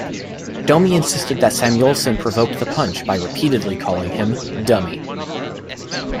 Domi insisted that Samuelsson provoked the punch by repeatedly calling him "dummy".